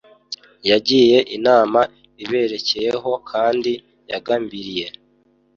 yagiye inama iberekeyeho kandi yagambiriye